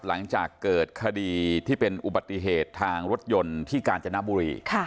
หลังจากเกิดคดีที่เป็นอุบัติเหตุทางรถยนต์ที่กาญจนบุรี